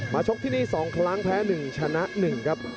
ชกที่นี่๒ครั้งแพ้๑ชนะ๑ครับ